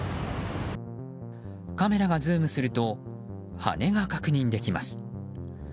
カメラがズームすると羽が確認できます。